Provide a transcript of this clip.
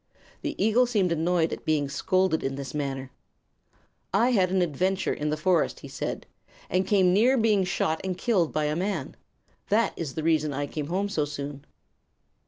The eagle seemed annoyed at being scolded in this manner. "I had an adventure in the forest," he said, "and came near being shot and killed by a man. That is the reason I came home so soon."